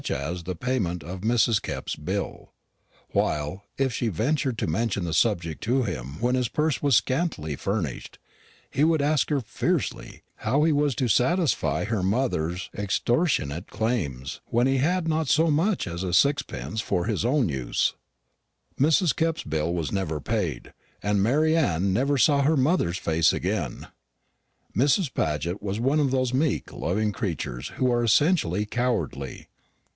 the payment of Mrs. Kepp's bill; while, if she ventured to mention the subject to him when his purse was scantily furnished, he would ask her fiercely how he was to satisfy her mother's extortionate claims when he had not so much as a sixpence for his own use. Mrs. Kepp's bill was never paid, and Mary Anne never saw her mother's face again. Mrs. Paget was one of those meek loving creatures who are essentially cowardly.